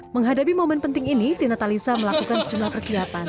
menghadapi momen penting ini tina talisa melakukan sejumlah persiapan